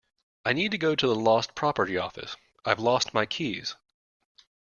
I need to go to the lost property office. I’ve lost my keys